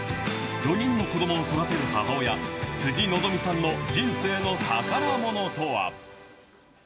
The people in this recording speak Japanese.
４人の子どもを育てる母親、辻希美さんの人生の宝ものとは。